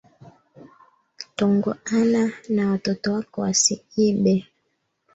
Tongoana na watoto wako wasiibe